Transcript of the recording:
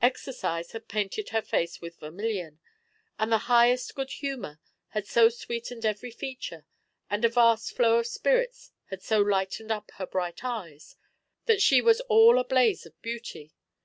Exercise had painted her face with vermilion; and the highest good humour had so sweetened every feature, and a vast flow of spirits had so lightened up her bright eyes, that she was all a blaze of beauty.